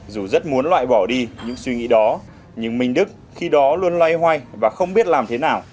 dù rất muốn loại bỏ đi những suy nghĩ đó nhưng minh đức khi đó luôn loay hoay và không biết làm thế nào